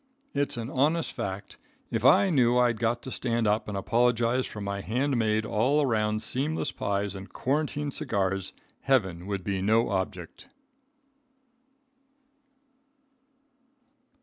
It's an honest fact, if I knew I'd got to stand up and apologize for my hand made, all around, seamless pies, and quarantine cigars, Heaven would be no object."